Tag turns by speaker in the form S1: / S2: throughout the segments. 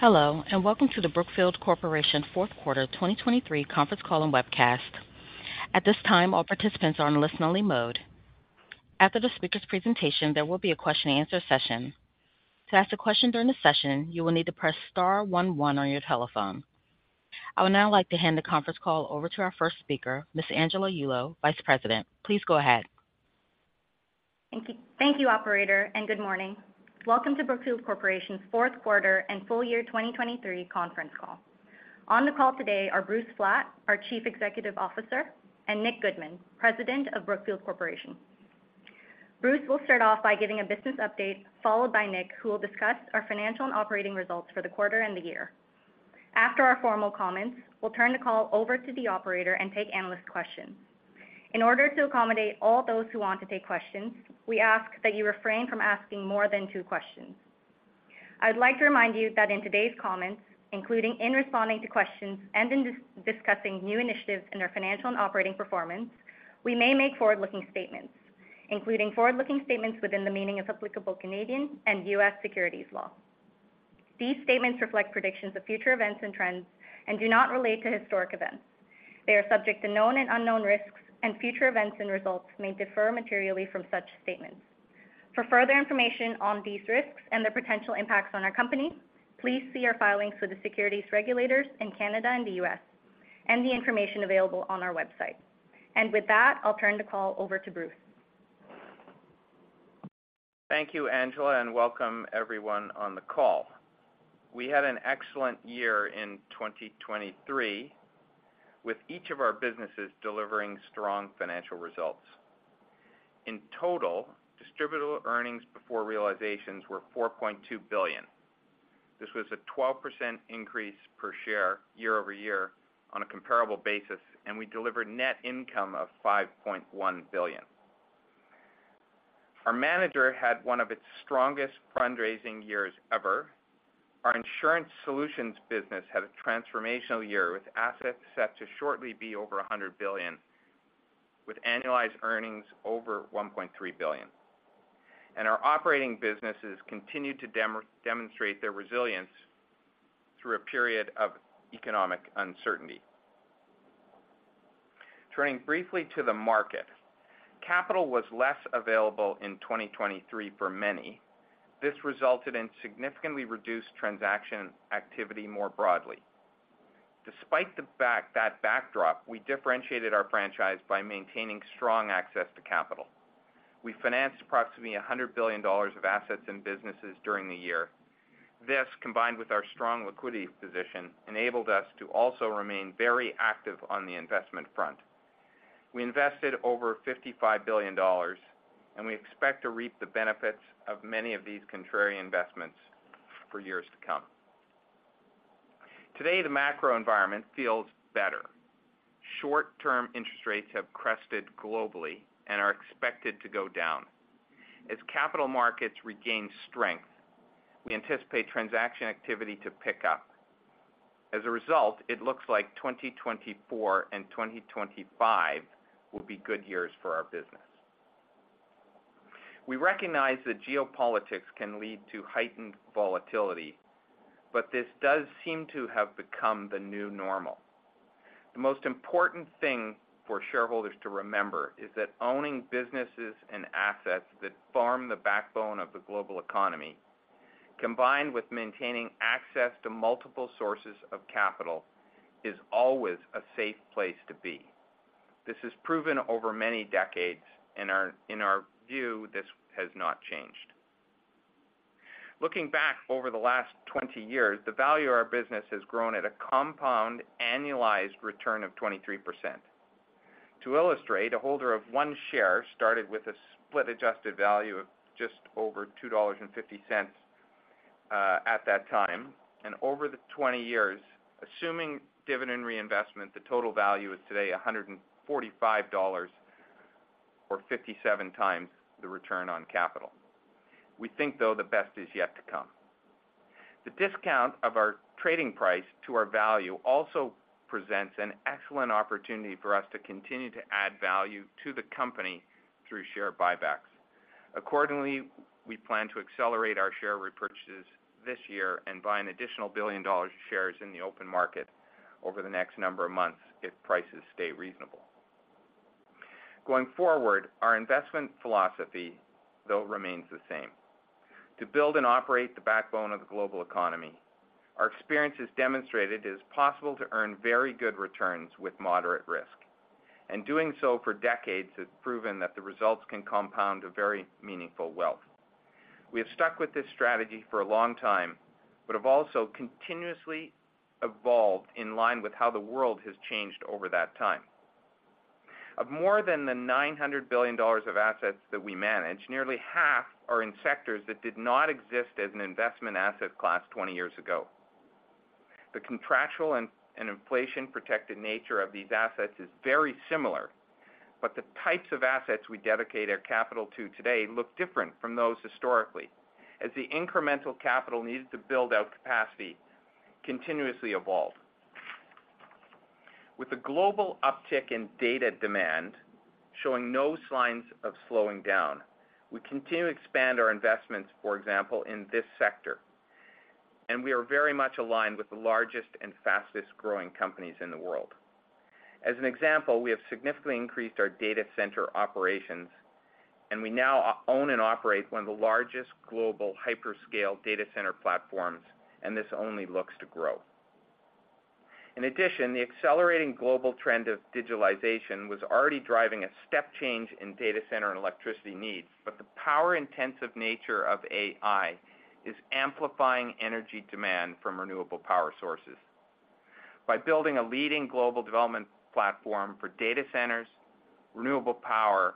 S1: Hello, and welcome to the Brookfield Corporation Fourth Quarter 2023 conference call and webcast. At this time, all participants are in listen-only mode. After the speaker's presentation, there will be a question and answer session. To ask a question during the session, you will need to press star one one on your telephone. I would now like to hand the conference call over to our first speaker, Ms. Angela Yulo, Vice President. Please go ahead.
S2: Thank you. Thank you, operator, and good morning. Welcome to Brookfield Corporation's fourth quarter and full year 2023 conference call. On the call today are Bruce Flatt, our Chief Executive Officer, and Nick Goodman, President of Brookfield Corporation. Bruce will start off by giving a business update, followed by Nick, who will discuss our financial and operating results for the quarter and the year. After our formal comments, we'll turn the call over to the operator and take analyst questions. In order to accommodate all those who want to take questions, we ask that you refrain from asking more than two questions. I'd like to remind you that in today's comments, including in responding to questions and in discussing new initiatives in our financial and operating performance, we may make forward-looking statements, including forward-looking statements within the meaning of applicable Canadian and U.S. securities law. These statements reflect predictions of future events and trends and do not relate to historic events. They are subject to known and unknown risks, and future events and results may differ materially from such statements. For further information on these risks and their potential impacts on our company, please see our filings with the securities regulators in Canada and the U.S., and the information available on our website. With that, I'll turn the call over to Bruce.
S3: Thank you, Angela, and welcome everyone on the call. We had an excellent year in 2023, with each of our businesses delivering strong financial results. In total, distributable earnings before realizations were $4.2 billion. This was a 12% increase per share year-over-year on a comparable basis, and we delivered net income of $5.1 billion. Our manager had one of its strongest fundraising years ever. Our insurance solutions business had a transformational year, with assets set to shortly be over $100 billion, with annualized earnings over $1.3 billion. Our operating businesses continued to demonstrate their resilience through a period of economic uncertainty. Turning briefly to the market. Capital was less available in 2023 for many. This resulted in significantly reduced transaction activity more broadly. Despite the fact that backdrop, we differentiated our franchise by maintaining strong access to capital. We financed approximately $100 billion of assets and businesses during the year. This, combined with our strong liquidity position, enabled us to also remain very active on the investment front. We invested over $55 billion, and we expect to reap the benefits of many of these contrary investments for years to come. Today, the macro environment feels better. Short-term interest rates have crested globally and are expected to go down. As capital markets regain strength, we anticipate transaction activity to pick up. As a result, it looks like 2024 and 2025 will be good years for our business. We recognize that geopolitics can lead to heightened volatility, but this does seem to have become the new normal. The most important thing for shareholders to remember is that owning businesses and assets that form the backbone of the global economy, combined with maintaining access to multiple sources of capital, is always a safe place to be. This is proven over many decades, in our, in our view, this has not changed. Looking back over the last 20 years, the value of our business has grown at a compound annualized return of 23%. To illustrate, a holder of one share started with a split adjusted value of just over $2.50 at that time. Over the 20 years, assuming dividend reinvestment, the total value is today $145, or 57 times the return on capital. We think, though, the best is yet to come. The discount of our trading price to our value also presents an excellent opportunity for us to continue to add value to the company through share buybacks. Accordingly, we plan to accelerate our share repurchases this year and buy an additional $1 billion of shares in the open market over the next number of months, if prices stay reasonable. Going forward, our investment philosophy, though, remains the same: to build and operate the backbone of the global economy. Our experience has demonstrated it is possible to earn very good returns with moderate risk, and doing so for decades has proven that the results can compound to very meaningful wealth. We have stuck with this strategy for a long time, but have also continuously evolved in line with how the world has changed over that time. Of more than the $900 billion of assets that we manage, nearly half are in sectors that did not exist as an investment asset class 20 years ago. The contractual and inflation-protected nature of these assets is very similar, but the types of assets we dedicate our capital to today look different from those historically, as the incremental capital needed to build out capacity continuously evolved. With the global uptick in data demand showing no signs of slowing down, we continue to expand our investments, for example, in this sector, and we are very much aligned with the largest and fastest-growing companies in the world. As an example, we have significantly increased our data center operations, and we now own and operate one of the largest global hyperscale data center platforms, and this only looks to grow. In addition, the accelerating global trend of digitalization was already driving a step change in data center and electricity needs, but the power-intensive nature of AI is amplifying energy demand from renewable power sources. By building a leading global development platform for data centers, renewable power,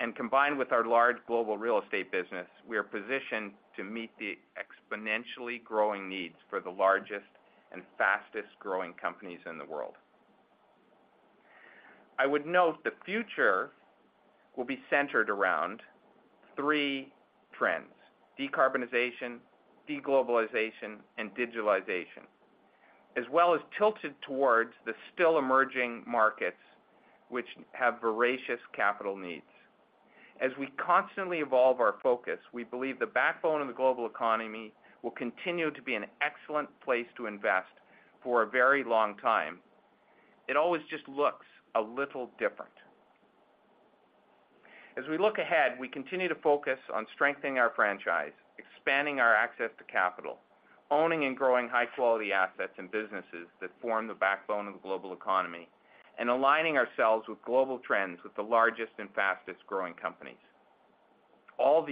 S3: and combined with our large global real estate business, we are positioned to meet the exponentially growing needs for the largest and fastest-growing companies in the world. I would note the future will be centered around three trends: decarbonization, deglobalization, and digitalization, as well as tilted towards the still emerging markets, which have voracious capital needs. As we constantly evolve our focus, we believe the backbone of the global economy will continue to be an excellent place to invest for a very long time. It always just looks a little different. As we look ahead, we continue to focus on strengthening our franchise, expanding our access to capital, owning and growing high-quality assets and businesses that form the backbone of the global economy, and aligning ourselves with global trends with the largest and fastest-growing companies. All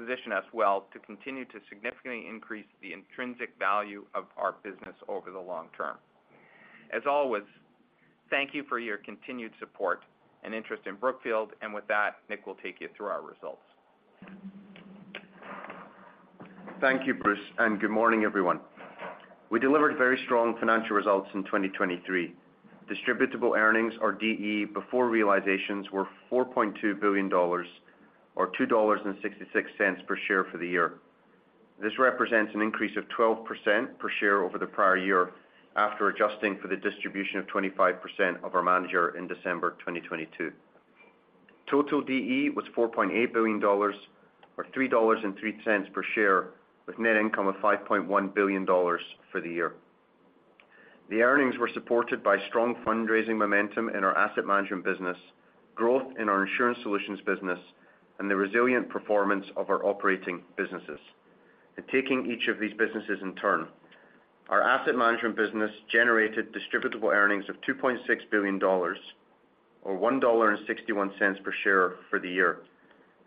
S3: these position us well to continue to significantly increase the intrinsic value of our business over the long term. As always, thank you for your continued support and interest in Brookfield. With that, Nick will take you through our results.
S4: Thank you, Bruce, and good morning, everyone. We delivered very strong financial results in 2023. Distributable earnings, or DE, before realizations were $4.2 billion or $2.66 per share for the year. This represents an increase of 12% per share over the prior year, after adjusting for the distribution of 25% of our manager in December 2022. Total DE was $4.8 billion, or $3.03 per share, with net income of $5.1 billion for the year. The earnings were supported by strong fundraising momentum in our asset management business, growth in our insurance solutions business, and the resilient performance of our operating businesses. Taking each of these businesses in turn, our asset management business generated distributable earnings of $2.6 billion, or $1.61 per share for the year.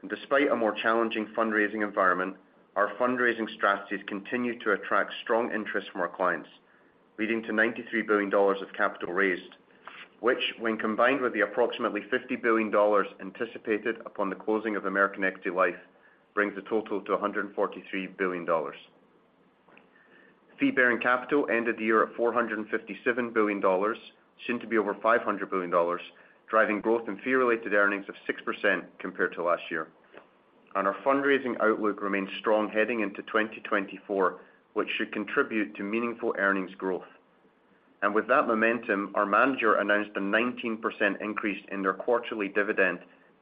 S4: Despite a more challenging fundraising environment, our fundraising strategies continued to attract strong interest from our clients, leading to $93 billion of capital raised, which, when combined with the approximately $50 billion anticipated upon the closing of American Equity Life, brings the total to $143 billion. Fee-bearing capital ended the year at $457 billion, soon to be over $500 billion, driving growth in fee-related earnings of 6% compared to last year. And our fundraising outlook remains strong heading into 2024, which should contribute to meaningful earnings growth. With that momentum, our manager announced a 19% increase in their quarterly dividend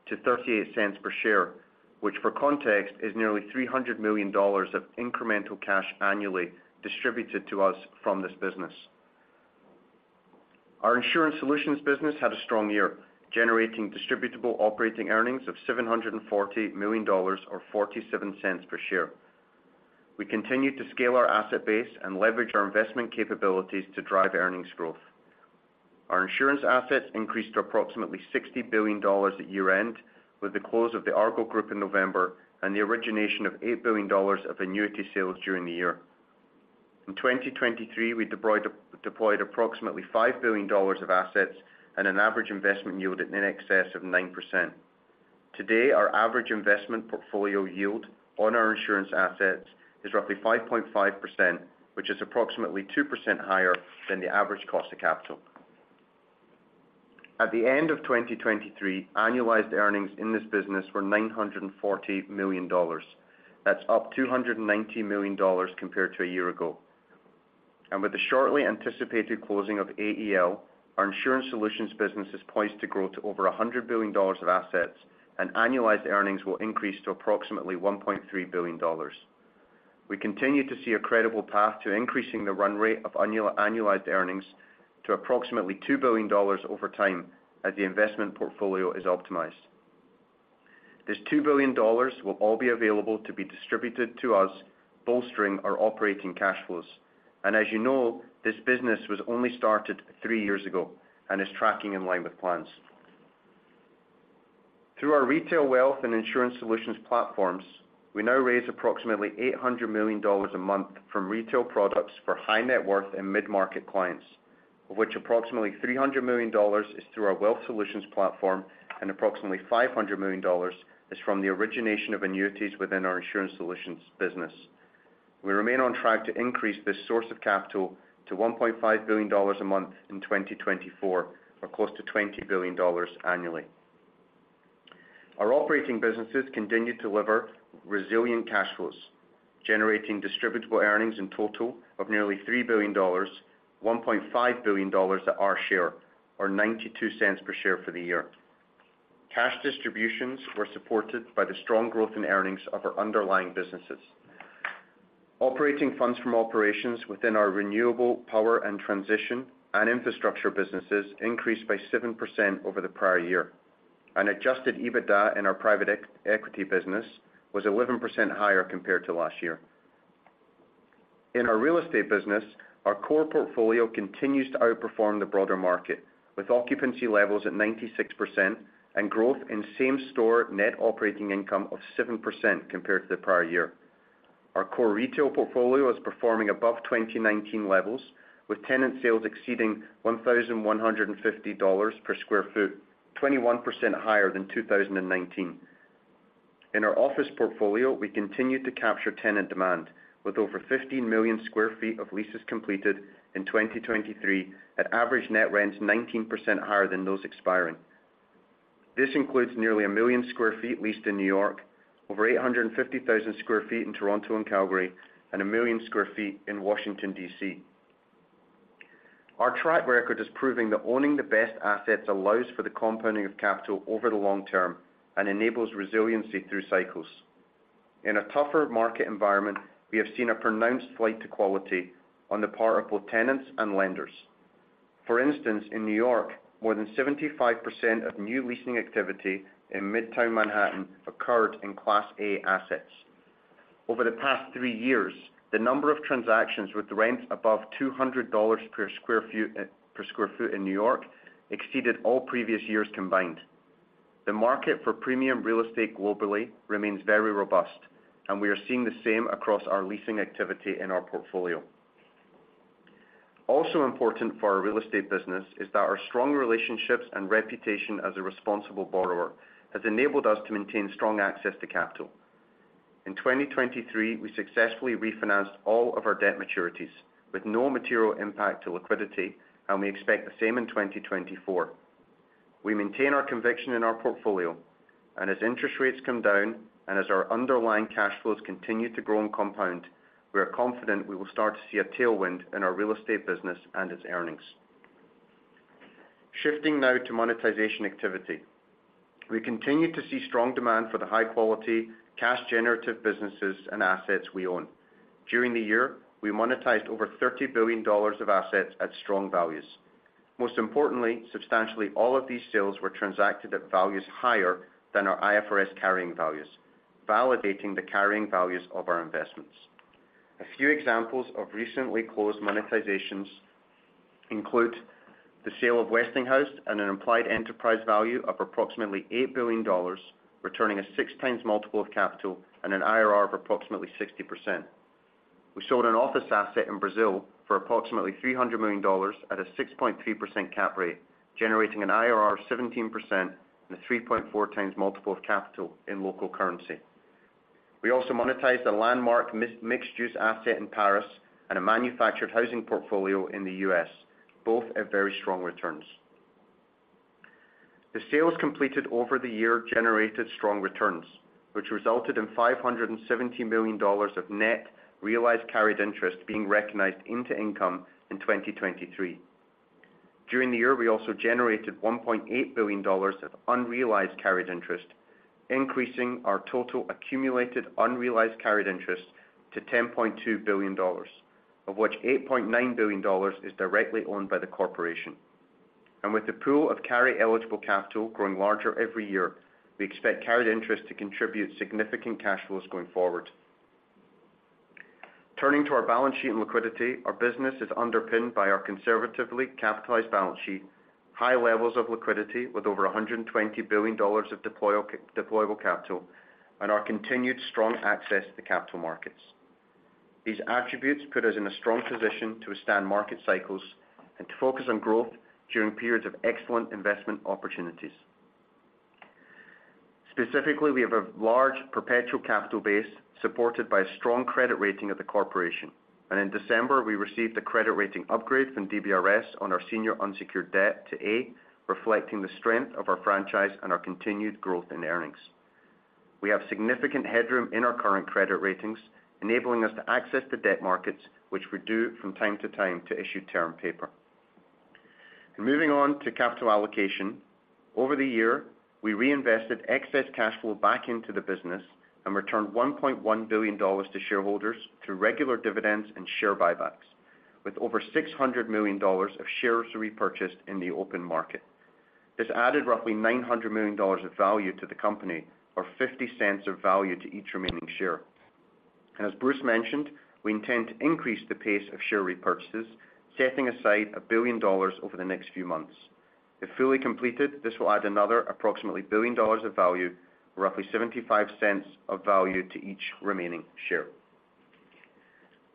S4: to $0.38 per share, which, for context, is nearly $300 million of incremental cash annually distributed to us from this business. Our insurance solutions business had a strong year, generating distributable operating earnings of $740 million or $0.47 per share. We continued to scale our asset base and leverage our investment capabilities to drive earnings growth. Our insurance assets increased to approximately $60 billion at year-end, with the close of the Argo Group in November and the origination of $8 billion of annuity sales during the year. In 2023, we deployed approximately $5 billion of assets and an average investment yield in excess of 9%. Today, our average investment portfolio yield on our insurance assets is roughly 5.5%, which is approximately 2% higher than the average cost of capital. At the end of 2023, annualized earnings in this business were $940 million. That's up $290 million compared to a year ago. And with the shortly anticipated closing of AEL, our insurance solutions business is poised to grow to over $100 billion of assets, and annualized earnings will increase to approximately $1.3 billion. We continue to see a credible path to increasing the run rate of annualized earnings to approximately $2 billion over time as the investment portfolio is optimized. This $2 billion will all be available to be distributed to us, bolstering our operating cash flows. As you know, this business was only started 3 years ago and is tracking in line with plans. Through our retail wealth and insurance solutions platforms, we now raise approximately $800 million a month from retail products for high net worth and mid-market clients, of which approximately $300 million is through our wealth solutions platform, and approximately $500 million is from the origination of annuities within our insurance solutions business. We remain on track to increase this source of capital to $1.5 billion a month in 2024, or close to $20 billion annually. Our operating businesses continued to deliver resilient cash flows, generating distributable earnings in total of nearly $3 billion, $1.5 billion at our share, or $0.92 per share for the year. Cash distributions were supported by the strong growth in earnings of our underlying businesses. Operating funds from operations within our renewable power and transition and infrastructure businesses increased by 7% over the prior year, and adjusted EBITDA in our private equity business was 11% higher compared to last year. In our real estate business, our core portfolio continues to outperform the broader market, with occupancy levels at 96% and growth in same-store net operating income of 7% compared to the prior year. Our core retail portfolio is performing above 2019 levels, with tenant sales exceeding $1,150 per sq ft, 21% higher than 2019. In our office portfolio, we continued to capture tenant demand, with over 15 million sq ft of leases completed in 2023 at average net rents 19% higher than those expiring. This includes nearly 1 million sq ft leased in New York, over 850,000 sq ft in Toronto and Calgary, and 1 million sq ft in Washington, D.C. Our track record is proving that owning the best assets allows for the compounding of capital over the long term and enables resiliency through cycles. In a tougher market environment, we have seen a pronounced flight to quality on the part of both tenants and lenders. For instance, in New York, more than 75% of new leasing activity in Midtown Manhattan occurred in Class A assets. Over the past three years, the number of transactions with rents above $200 per square feet, per sq ft in New York exceeded all previous years combined. The market for premium real estate globally remains very robust, and we are seeing the same across our leasing activity in our portfolio. Also important for our real estate business is that our strong relationships and reputation as a responsible borrower has enabled us to maintain strong access to capital. In 2023, we successfully refinanced all of our debt maturities with no material impact to liquidity, and we expect the same in 2024. We maintain our conviction in our portfolio, and as interest rates come down, and as our underlying cash flows continue to grow and compound, we are confident we will start to see a tailwind in our real estate business and its earnings. Shifting now to monetization activity. We continue to see strong demand for the high-quality, cash-generative businesses and assets we own. During the year, we monetized over $30 billion of assets at strong values. Most importantly, substantially all of these sales were transacted at values higher than our IFRS carrying values, validating the carrying values of our investments. A few examples of recently closed monetizations include the sale of Westinghouse at an implied enterprise value of approximately $8 billion, returning a 6x multiple of capital and an IRR of approximately 60%. We sold an office asset in Brazil for approximately $300 million at a 6.3% cap rate, generating an IRR of 17% and a 3.4x multiple of capital in local currency. We also monetized a landmark mixed-use asset in Paris and a manufactured housing portfolio in the U.S., both at very strong returns. The sales completed over the year generated strong returns, which resulted in $570 million of net realized carried interest being recognized into income in 2023. During the year, we also generated $1.8 billion of unrealized carried interest, increasing our total accumulated unrealized carried interest to $10.2 billion, of which $8.9 billion is directly owned by the corporation. With the pool of carry-eligible capital growing larger every year, we expect carried interest to contribute significant cash flows going forward. Turning to our balance sheet and liquidity. Our business is underpinned by our conservatively capitalized balance sheet, high levels of liquidity, with over $120 billion of deployable capital, and our continued strong access to capital markets. These attributes put us in a strong position to withstand market cycles and to focus on growth during periods of excellent investment opportunities. Specifically, we have a large perpetual capital base, supported by a strong credit rating of the corporation. In December, we received a credit rating upgrade from DBRS on our senior unsecured debt to A, reflecting the strength of our franchise and our continued growth in earnings. We have significant headroom in our current credit ratings, enabling us to access the debt markets, which we do from time to time to issue term paper. Moving on to capital allocation. Over the year, we reinvested excess cash flow back into the business and returned $1.1 billion to shareholders through regular dividends and share buybacks, with over $600 million of shares repurchased in the open market. This added roughly $900 million of value to the company, or $0.50 of value to each remaining share. And as Bruce mentioned, we intend to increase the pace of share repurchases, setting aside $1 billion over the next few months. If fully completed, this will add another approximately $1 billion of value, roughly $0.75 of value to each remaining share.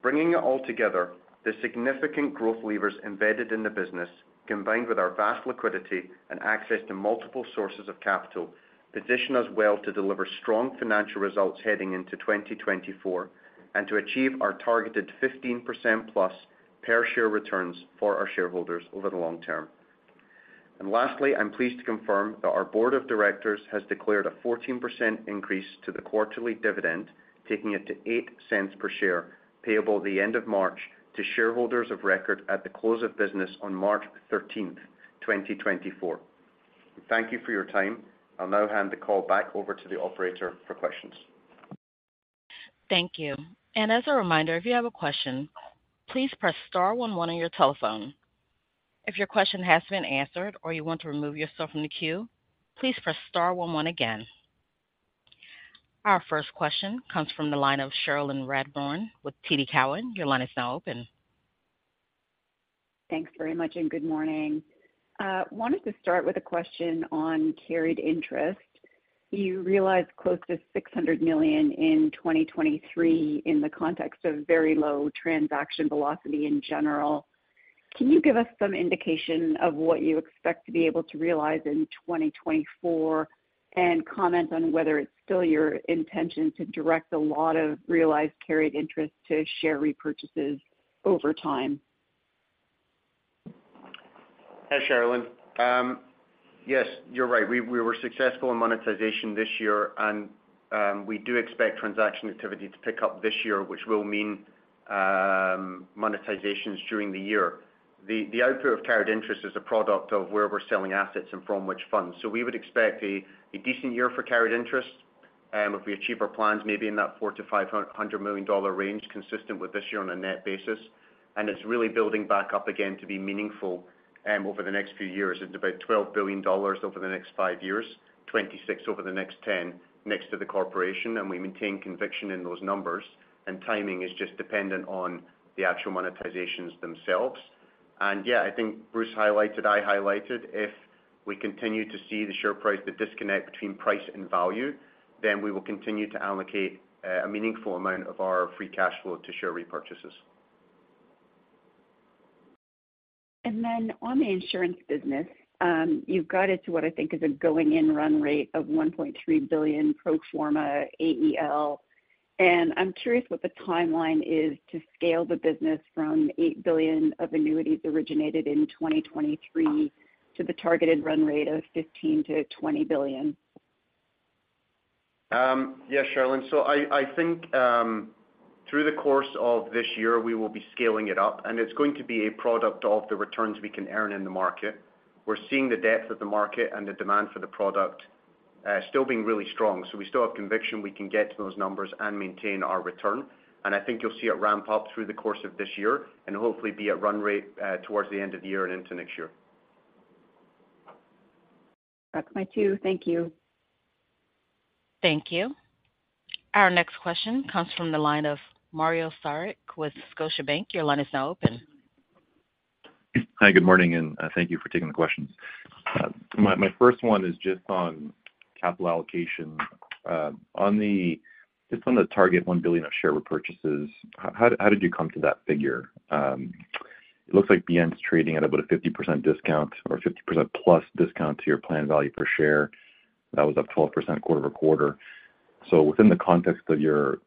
S4: Bringing it all together, the significant growth levers embedded in the business, combined with our vast liquidity and access to multiple sources of capital, position us well to deliver strong financial results heading into 2024, and to achieve our targeted 15%+ EPS- per share returns for our shareholders over the long term. And lastly, I'm pleased to confirm that our board of directors has declared a 14% increase to the quarterly dividend, taking it to $0.08 per share, payable at the end of March to shareholders of record at the close of business on March 13th, 2024. Thank you for your time. I'll now hand the call back over to the operator for questions.
S1: Thank you. As a reminder, if you have a question, please press star one one on your telephone. If your question has been answered or you want to remove yourself from the queue, please press star one one again. Our first question comes from the line of Cherilyn Radbourne with TD Cowen. Your line is now open.
S5: Thanks very much, and good morning. Wanted to start with a question on carried interest. You realized close to $600 million in 2023 in the context of very low transaction velocity in general. Can you give us some indication of what you expect to be able to realize in 2024, and comment on whether it's still your intention to direct a lot of realized carried interest to share repurchases over time?
S4: Hi, Cherilyn. Yes, you're right. We were successful in monetization this year, and we do expect transaction activity to pick up this year, which will mean monetizations during the year. The output of carried interest is a product of where we're selling assets and from which funds. So we would expect a decent year for carried interest if we achieve our plans, maybe in that $400 million-$500 million range, consistent with this year on a net basis. And it's really building back up again to be meaningful over the next few years. It's about $12 billion over the next five years, $26 billion over the next ten, net to the corporation, and we maintain conviction in those numbers, and timing is just dependent on the actual monetizations themselves. And yeah, I think Bruce highlighted, I highlighted, if we continue to see the share price, the disconnect between price and value, then we will continue to allocate, a meaningful amount of our free cash flow to share repurchases.
S5: And then on the insurance business, you've got it to what I think is a going-in run rate of $1.3 billion pro forma AEL. And I'm curious what the timeline is to scale the business from $8 billion of annuities originated in 2023 to the targeted run rate of $15 billion-$20 billion.
S4: Yeah, Cherilyn. So I think, through the course of this year, we will be scaling it up, and it's going to be a product of the returns we can earn in the market. We're seeing the depth of the market and the demand for the product still being really strong. So we still have conviction we can get to those numbers and maintain our return. And I think you'll see it ramp up through the course of this year and hopefully be at run rate towards the end of the year and into next year.
S5: That's my two. Thank you.
S1: Thank you. Our next question comes from the line of Mario Saric with Scotiabank. Your line is now open.
S6: Hi, good morning, and thank you for taking the questions. My first one is just on capital allocation. On the—just on the target $1 billion of share repurchases, how did you come to that figure? It looks like BN's trading at about a 50% discount or 50%+ discount to your planned value per share. That was up 12% quarter-over-quarter. So within the context of your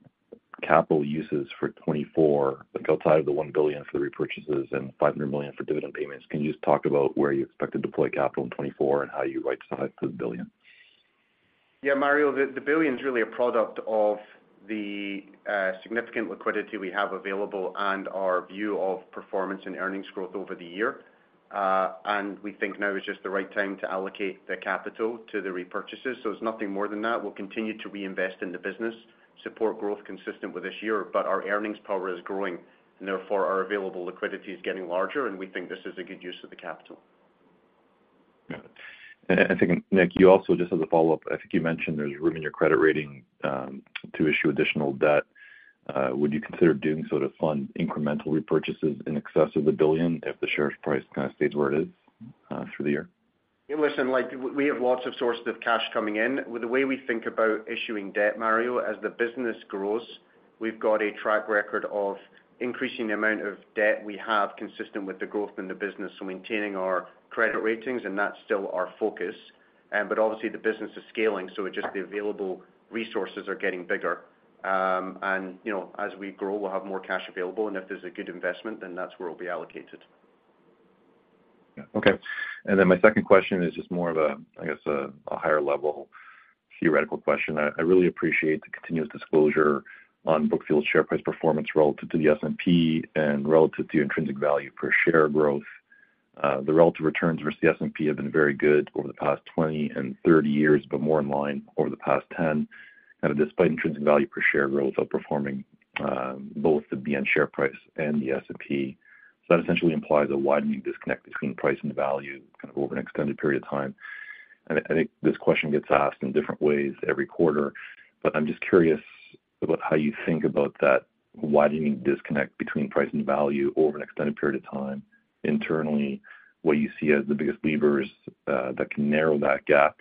S6: capital uses for 2024, like outside of the $1 billion for the repurchases and $500 million for dividend payments, can you just talk about where you expect to deploy capital in 2024 and how you arrive to the $1 billion?
S4: Yeah, Mario, the $1 billion is really a product of the significant liquidity we have available and our view of performance and earnings growth over the year. And we think now is just the right time to allocate the capital to the repurchases, so it's nothing more than that. We'll continue to reinvest in the business, support growth consistent with this year, but our earnings power is growing, and therefore our available liquidity is getting larger, and we think this is a good use of the capital.
S6: Got it. I think, Nick, you also, just as a follow-up, I think you mentioned there's room in your credit rating to issue additional debt. Would you consider doing so to fund incremental repurchases in excess of $1 billion if the share price kind of stays where it is through the year?
S4: Hey, listen, like, we have lots of sources of cash coming in. With the way we think about issuing debt, Mario, as the business grows, we've got a track record of increasing the amount of debt we have, consistent with the growth in the business, so maintaining our credit ratings, and that's still our focus. But obviously, the business is scaling, so it's just the available resources are getting bigger. And, you know, as we grow, we'll have more cash available, and if there's a good investment, then that's where it'll be allocated.
S6: Yeah. Okay. And then my second question is just more of a, I guess, a higher level theoretical question. I really appreciate the continuous disclosure on Brookfield's share price performance relative to the S&P and relative to your intrinsic value per share growth. The relative returns versus the S&P have been very good over the past 20 and 30 years, but more in line over the past 10, kind of despite intrinsic value per share growth outperforming both the BN share price and the S&P. So that essentially implies a widening disconnect between price and value kind of over an extended period of time. I think this question gets asked in different ways every quarter, but I'm just curious about how you think about that widening disconnect between price and value over an extended period of time internally, what you see as the biggest levers that can narrow that gap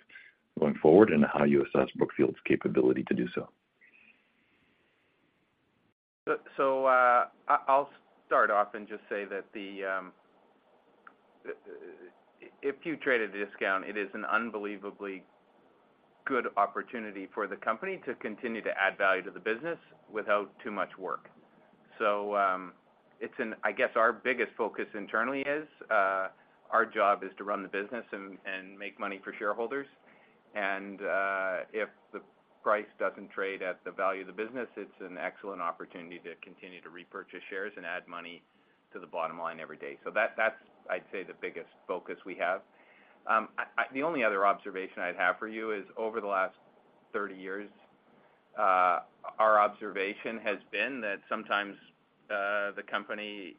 S6: going forward, and how you assess Brookfield's capability to do so.
S4: So, I'll start off and just say that the if you trade at a discount, it is an unbelievably good opportunity for the company to continue to add value to the business without too much work. So, it's an, I guess our biggest focus internally is, our job is to run the business and, and make money for shareholders. And, if the price doesn't trade at the value of the business, it's an excellent opportunity to continue to repurchase shares and add money to the bottom line every day. So that's, I'd say, the biggest focus we have. I, the only other observation I'd have for you is, over the last 30 years, our observation has been that sometimes, the company,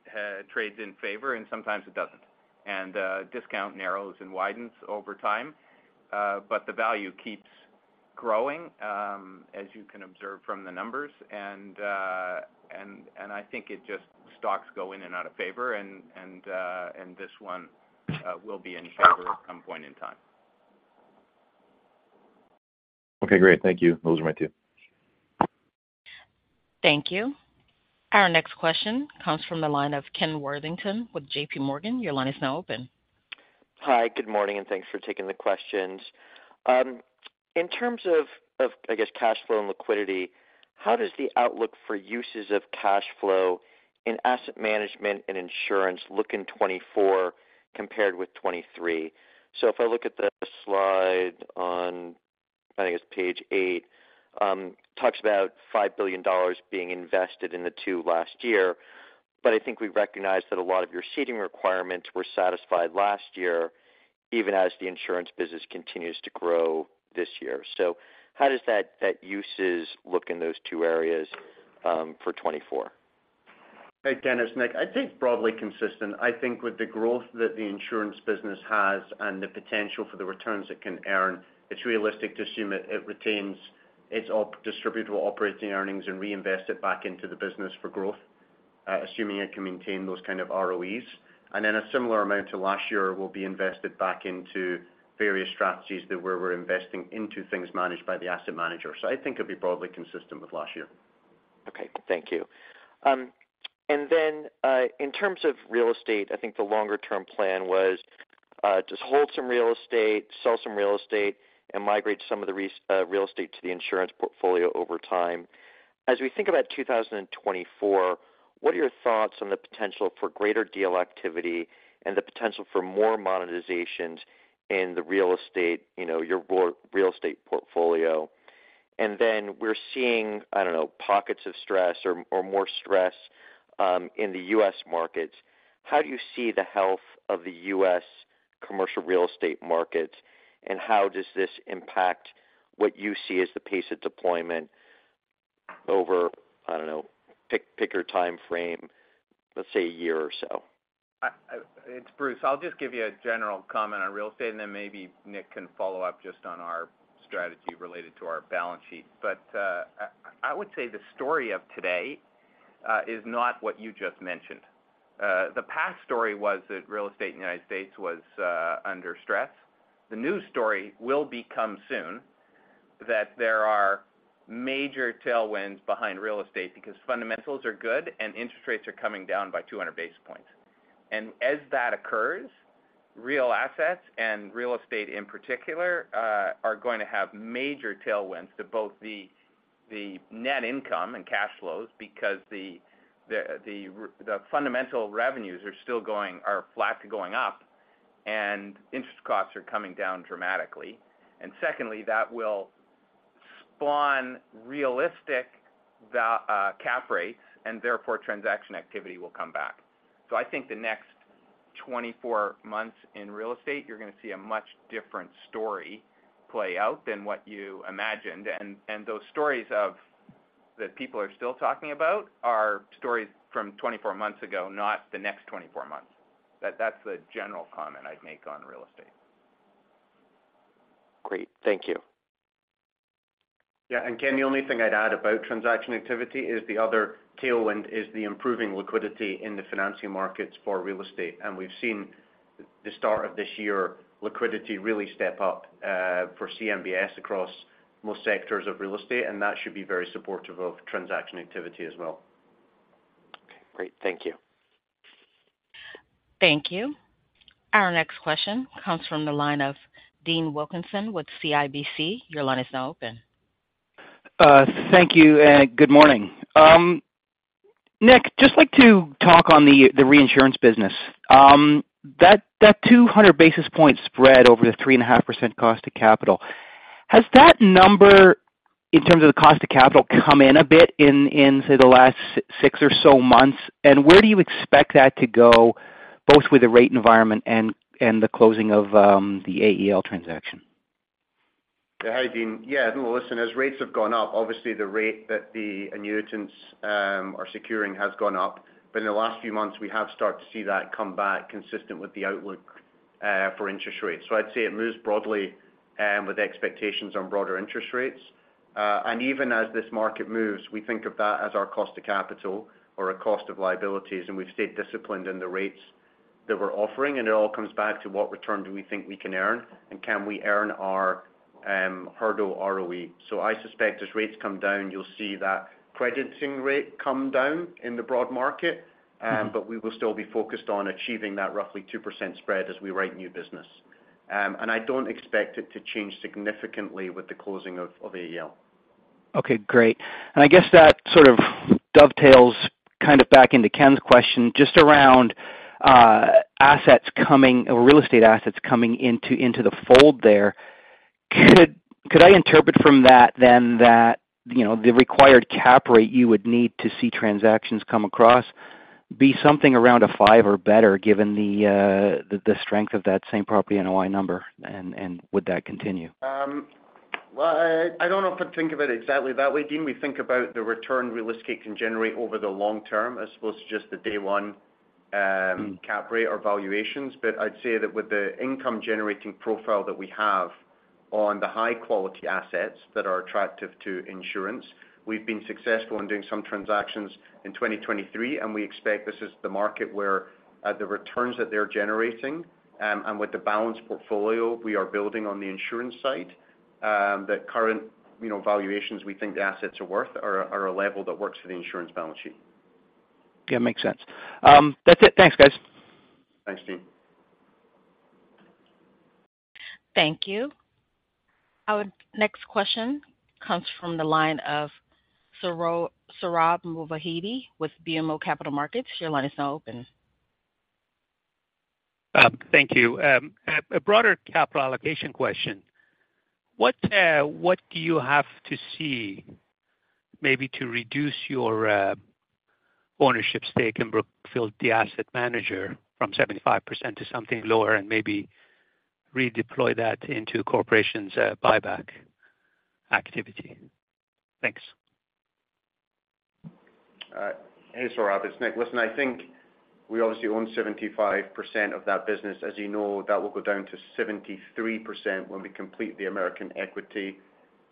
S4: trades in favor, and sometimes it doesn't, and, discount narrows and widens over time. But the value keeps growing, as you can observe from the numbers, and I think it just stocks go in and out of favor, and this one will be in favor at some point in time.
S7: Okay, great. Thank you. Those are my two.
S1: Thank you. Our next question comes from the line of Ken Worthington with J.P. Morgan. Your line is now open.
S8: Hi, good morning, and thanks for taking the questions. In terms of, of, I guess, cash flow and liquidity, how does the outlook for uses of cash flow in asset management and insurance look in 2024 compared with 2023? So if I look at the slide on, I think it's page 8, talks about $5 billion being invested in the two last year. But I think we recognize that a lot of your seeding requirements were satisfied last year, even as the insurance business continues to grow this year. So how does that uses look in those two areas, for 2024?
S4: Hey, Ken, it's Nick. I think broadly consistent. I think with the growth that the insurance business has and the potential for the returns it can earn, it's realistic to assume it retains its distributable operating earnings and reinvest it back into the business for growth, assuming it can maintain those kind of ROEs. And then a similar amount to last year will be invested back into various strategies where we're investing into things managed by the asset manager. So I think it'll be broadly consistent with last year.
S8: Okay, thank you. And then, in terms of real estate, I think the longer-term plan was just hold some real estate, sell some real estate, and migrate some of the real estate to the insurance portfolio over time. As we think about 2024, what are your thoughts on the potential for greater deal activity and the potential for more monetizations in the real estate, you know, your real estate portfolio? And then we're seeing, I don't know, pockets of stress or more stress in the U.S. markets. How do you see the health of the U.S. commercial real estate markets, and how does this impact what you see as the pace of deployment over, I don't know, pick your timeframe, let's say a year or so?
S3: It's Bruce. I'll just give you a general comment on real estate, and then maybe Nick can follow up just on our strategy related to our balance sheet. But I would say the story of today is not what you just mentioned. The past story was that real estate in the United States was under stress. The new story will become soon that there are major tailwinds behind real estate because fundamentals are good and interest rates are coming down by 200 basis points. And as that occurs, real assets and real estate, in particular, are going to have major tailwinds to both the fundamental revenues are still going, are flat to going up, and interest costs are coming down dramatically. And secondly, that will spawn realistic cap rates, and therefore, transaction activity will come back. So I think the next 24 months in real estate, you're gonna see a much different story play out than what you imagined. And those stories that people are still talking about are stories from 24 months ago, not the next 24 months. That's the general comment I'd make on real estate.
S8: Great. Thank you.
S4: Yeah, and Ken, the only thing I'd add about transaction activity is the other tailwind is the improving liquidity in the financing markets for real estate. And we've seen the start of this year, liquidity really step up for CMBS across most sectors of real estate, and that should be very supportive of transaction activity as well.
S8: Okay, great. Thank you.
S1: Thank you. Our next question comes from the line of Dean Wilkinson with CIBC. Your line is now open.
S7: Thank you, and good morning. Nick, just like to talk on the reinsurance business. That 200 basis point spread over the 3.5% cost of capital, has that number, in terms of the cost of capital, come in a bit, say, the last 6 or so months? And where do you expect that to go, both with the rate environment and the closing of the AEL transaction?
S4: Hi, Dean. Yeah, well, listen, as rates have gone up, obviously the rate that the annuitants are securing has gone up. But in the last few months, we have started to see that come back consistent with the outlook for interest rates. So I'd say it moves broadly with expectations on broader interest rates. And even as this market moves, we think of that as our cost of capital or our cost of liabilities, and we've stayed disciplined in the rates that we're offering, and it all comes back to what return do we think we can earn, and can we earn our hurdle ROE? So I suspect as rates come down, you'll see that crediting rate come down in the broad market, but we will still be focused on achieving that roughly 2% spread as we write new business. I don't expect it to change significantly with the closing of AEL.
S7: Okay, great. And I guess that sort of dovetails kind of back into Ken's question, just around assets coming or real estate assets coming into the fold there. Could I interpret from that then that, you know, the required cap rate you would need to see transactions come across be something around a five or better, given the strength of that same property NOI number, and would that continue?
S4: Well, I don't know if I'd think of it exactly that way, Dean. We think about the return real estate can generate over the long term, as opposed to just the day one cap rate or valuations. But I'd say that with the income-generating profile that we have on the high-quality assets that are attractive to insurance, we've been successful in doing some transactions in 2023, and we expect this is the market where the returns that they're generating, and with the balanced portfolio we are building on the insurance side, that current, you know, valuations we think the assets are worth are a level that works for the insurance balance sheet.
S7: Yeah, makes sense. That's it. Thanks, guys.
S4: Thanks, Dean.
S1: Thank you. Our next question comes from the line of Sohrab Movahedi with BMO Capital Markets. Your line is now open.
S9: Thank you. A broader capital allocation question. What do you have to see maybe to reduce your ownership stake in Brookfield, the asset manager, from 75% to something lower, and maybe redeploy that into corporation's buyback activity? Thanks.
S4: Hey, Sohrab, it's Nick. Listen, I think we obviously own 75% of that business. As you know, that will go down to 73% when we complete the American Equity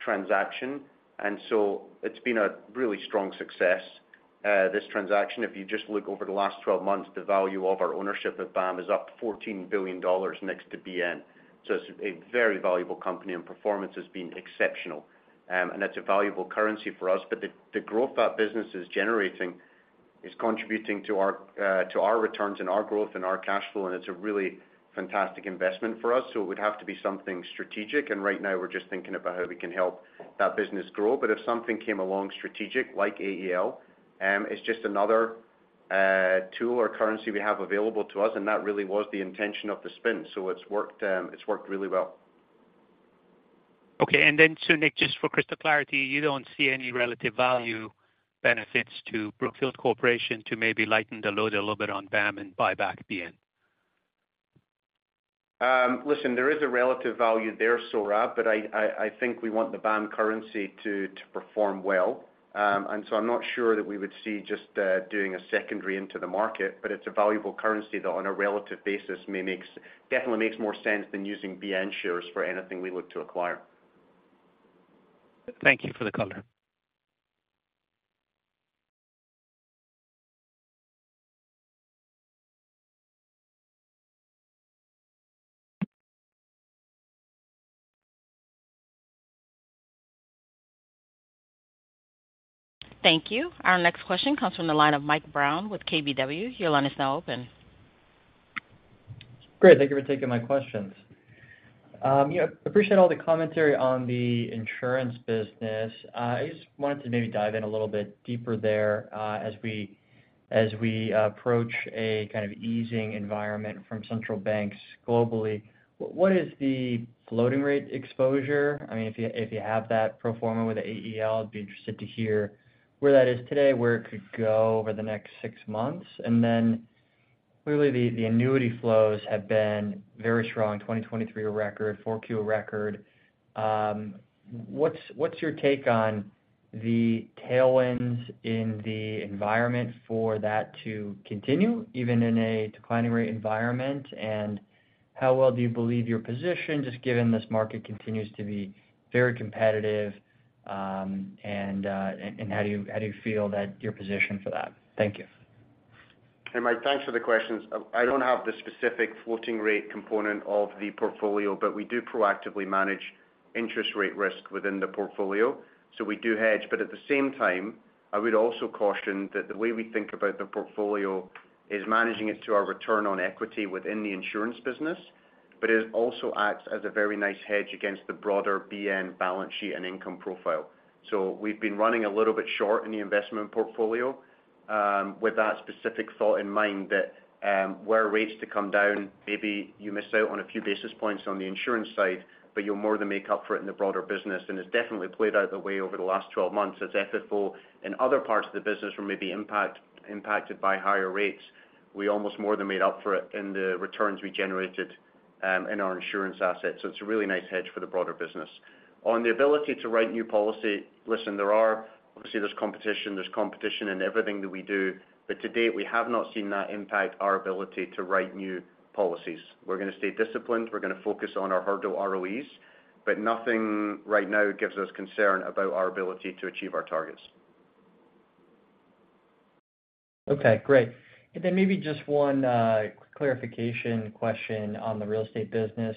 S4: transaction. And so it's been a really strong success. This transaction, if you just look over the last 12 months, the value of our ownership of BAM is up $14 billion next to BN. So it's a very valuable company, and performance has been exceptional. And that's a valuable currency for us. But the growth that business is generating is contributing to our, to our returns and our growth and our cash flow, and it's a really fantastic investment for us. So it would have to be something strategic, and right now we're just thinking about how we can help that business grow. But if something came along strategic, like AEL, it's just another tool or currency we have available to us, and that really was the intention of the spin. So it's worked, it's worked really well.
S9: Okay. Nick, just for crystal clarity, you don't see any relative value benefits to Brookfield Corporation to maybe lighten the load a little bit on BAM and buy back BN?
S4: Listen, there is a relative value there, Sohrab, but I think we want the BAM currency to perform well. And so I'm not sure that we would see just doing a secondary into the market, but it's a valuable currency that, on a relative basis, definitely makes more sense than using BN shares for anything we look to acquire.
S9: Thank you for the color.
S1: Thank you. Our next question comes from the line of Mike Brown with KBW. Your line is now open.
S10: Great, thank you for taking my questions. Yeah, appreciate all the commentary on the insurance business. I just wanted to maybe dive in a little bit deeper there, as we approach a kind of easing environment from central banks globally. What is the floating rate exposure? I mean, if you have that pro forma with the AEL, I'd be interested to hear where that is today, where it could go over the next six months. And then clearly, the annuity flows have been very strong, 2023 record, 4Q record. What's your take on the tailwinds in the environment for that to continue, even in a declining rate environment? How well do you believe you're positioned, just given this market continues to be very competitive, and how do you feel that you're positioned for that? Thank you.
S4: Hey, Mike, thanks for the questions. I don't have the specific floating rate component of the portfolio, but we do proactively manage interest rate risk within the portfolio, so we do hedge. But at the same time, I would also caution that the way we think about the portfolio is managing it to our return on equity within the insurance business, but it also acts as a very nice hedge against the broader BN balance sheet and income profile. So we've been running a little bit short in the investment portfolio, with that specific thought in mind, that, were rates to come down, maybe you miss out on a few basis points on the insurance side, but you'll more than make up for it in the broader business. It's definitely played out that way over the last 12 months as FFO in other parts of the business were maybe impacted by higher rates. We almost more than made up for it in the returns we generated in our insurance assets. So it's a really nice hedge for the broader business. On the ability to write new policy, listen, there are, obviously, there's competition, there's competition in everything that we do, but to date, we have not seen that impact our ability to write new policies. We're going to stay disciplined. We're going to focus on our hurdle ROEs, but nothing right now gives us concern about our ability to achieve our targets. Okay, great. Then maybe just one clarification question on the real estate business.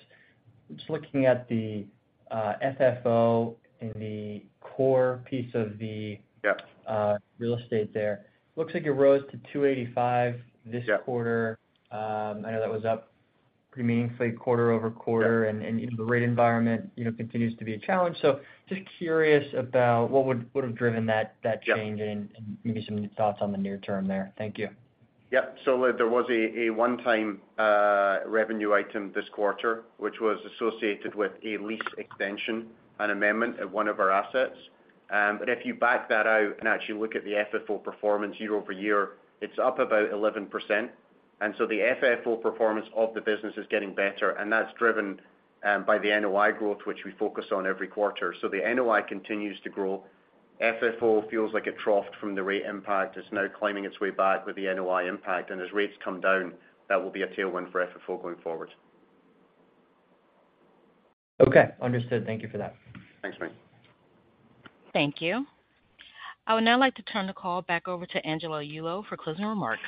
S4: Just looking at the FFO and the core piece of the-
S10: Yep -real estate there. Looks like it rose to 2.85 this quarter. Yep. I know that was up pretty meaningfully quarter-over-quarter. Yep. And the rate environment, you know, continues to be a challenge. So just curious about what would've driven that change- Yep and maybe some thoughts on the near term there. Thank you.
S4: Yep. So there was a one-time revenue item this quarter, which was associated with a lease extension, an amendment at one of our assets. But if you back that out and actually look at the FFO performance year-over-year, it's up about 11%. And so the FFO performance of the business is getting better, and that's driven by the NOI growth, which we focus on every quarter. So the NOI continues to grow. FFO feels like it troughed from the rate impact. It's now climbing its way back with the NOI impact. And as rates come down, that will be a tailwind for FFO going forward.
S10: Okay, understood. Thank you for that.
S4: Thanks, Mike.
S1: Thank you. I would now like to turn the call back over to Angela Yulo for closing remarks.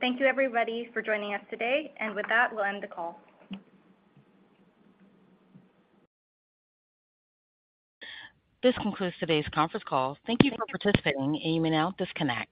S2: Thank you, everybody, for joining us today. With that, we'll end the call.
S1: This concludes today's conference call. Thank you for participating. You may now disconnect.